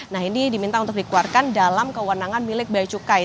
nah ini diminta untuk dikeluarkan dalam kewenangan milik baya cukai